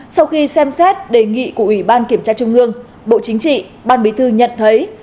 sau khi xem xét đề nghị của ủy ban kiểm tra trung ương bộ chính trị ban bí thư nhận thấy